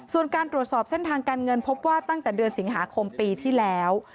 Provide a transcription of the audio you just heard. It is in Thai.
ส่วนการตรวจสอบเส้นทางการเงินพบว่าตั้งแต่เดือนสิงหาคมปีที่แล้ว